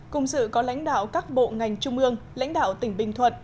cùng sự có lãnh đạo các bộ ngành trung ương lãnh đạo tỉnh bình thuận